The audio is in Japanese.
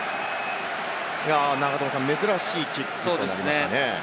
永友さん、珍しいキックになりましたね。